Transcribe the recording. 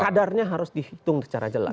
kadarnya harus dihitung secara jelas